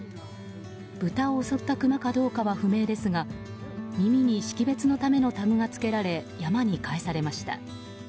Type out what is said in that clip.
豚を襲ったクマかどうかは不明ですが耳に識別のためのタグがつけられ山に返されました。